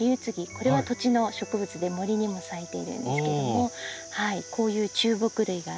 これは土地の植物で森にも咲いているんですけどもこういう中木類があって。